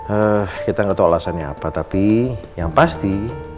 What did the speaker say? eh kita gak tau alasannya apa tapi yang pasti